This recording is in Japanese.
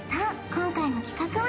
今回の企画は